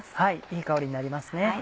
いい香りになりますね。